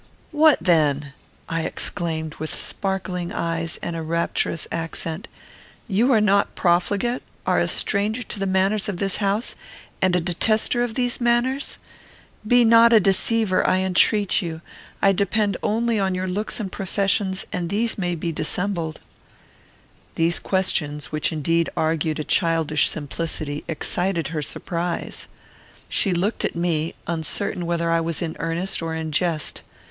"What, then!" I exclaimed, with sparkling eyes and a rapturous accent, "you are not profligate; are a stranger to the manners of this house, and a detester of these manners? Be not a deceiver, I entreat you. I depend only on your looks and professions, and these may be dissembled." These questions, which indeed argued a childish simplicity, excited her surprise. She looked at me, uncertain whether I was in earnest or in jest.